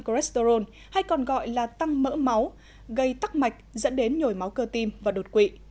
cholesterol hay còn gọi là tăng mỡ máu gây tắc mạch dẫn đến nhồi máu cơ tim và đột quỵ